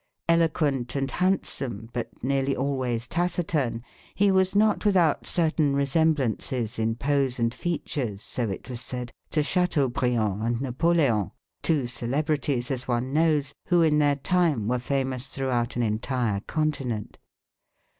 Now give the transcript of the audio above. Eloquent and handsome, but nearly always taciturn, he was not without certain resemblances in pose and features, so it was said, to Chateaubriand and Napoleon (two celebrities, as one knows, who in their time were famous throughout an entire continent).